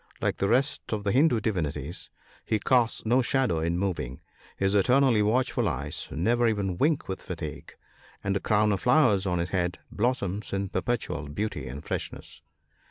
Like the rest of the Hindoo divinities, he casts no shadow in moving, his eternally watchful eyes never even wink with fatigue, and the crown of flowers on his head blooms in perpetual beauty and freshness.